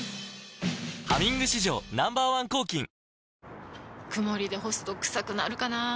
「ハミング」史上Ｎｏ．１抗菌曇りで干すとクサくなるかなぁ。